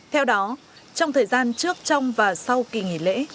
theo đó trong thời gian trước trong và sau kỳ nghỉ lễ